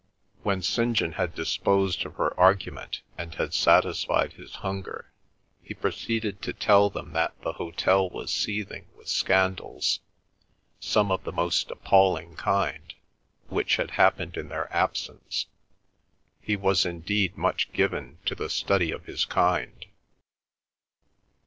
When St. John had disposed of her argument and had satisfied his hunger, he proceeded to tell them that the hotel was seething with scandals, some of the most appalling kind, which had happened in their absence; he was indeed much given to the study of his kind.